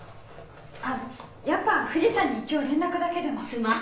あっやっぱ藤さんに一応連絡だけでも。